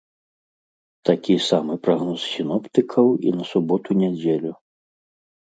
Такі самы прагноз сіноптыкаў і на суботу-нядзелю.